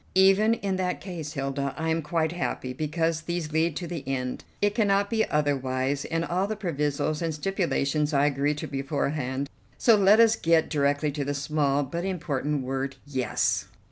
"Even in that case, Hilda, I am quite happy, because these lead to the end. It cannot be otherwise, and all the provisos and stipulations I agree to beforehand, so let us get directly to the small but important word 'Yes!